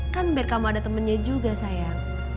kan biar kamu ada temennya juga sayang